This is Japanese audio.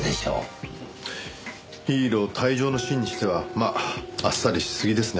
ヒーロー退場のシーンにしてはまああっさりしすぎですね。